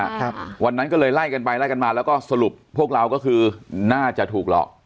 ครับวันนั้นก็เลยไล่กันไปไล่กันมาแล้วก็สรุปพวกเราก็คือน่าจะถูกหลอก